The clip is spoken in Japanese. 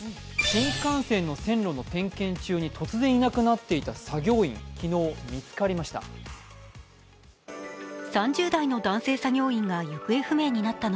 新幹線の線路の点検中に突然いなくなっていた作業員昨日、見つかりました。